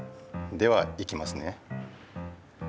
ではいきますね。